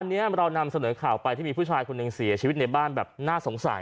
วันนี้เรานำเสนอข่าวไปที่มีผู้ชายคนหนึ่งเสียชีวิตในบ้านแบบน่าสงสัย